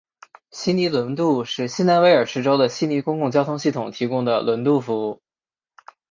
悉尼轮渡是新南威尔士州的悉尼公共交通系统提供的轮渡服务。